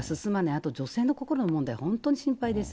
あと女性の心の問題、本当に心配です。